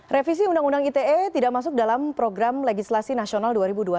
revisi undang undang ite tidak masuk dalam program legislasi nasional dua ribu dua puluh